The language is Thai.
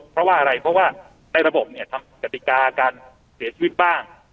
เพราะว่าอะไรเพราะว่าในระบบเนี่ยทำกติกาการเสียชีวิตบ้าง